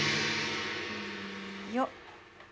よっ。